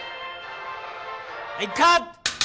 はいカット！